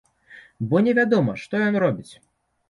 Бо невядома, што ён робіць.